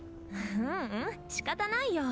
ううんしかたないよ。